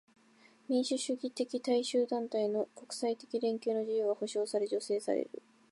民主主義的大衆団体の国際的連携の自由は保障され助成される。